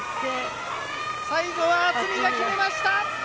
最後は渥美が決めました！